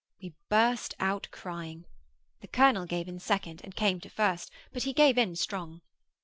We burst out crying. The colonel gave in second, and came to first; but he gave in strong.